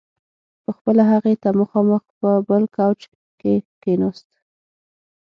په خپله هغې ته مخامخ په بل کاوچ کې کښېناست.